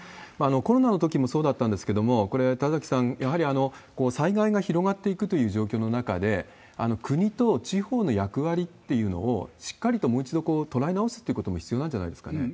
コロナのときもそうだったんですけれども、これは田崎さん、やはり災害が広がっていくという状況の中で、国と地方の役割っていうのをしっかりともう一度捉え直すということも必要なんじゃないですかね。